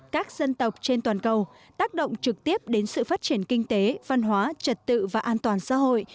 các dân tộc trên toàn cầu tác động trực tiếp đến sự phát triển kinh tế văn hóa trật tự và an toàn xã hội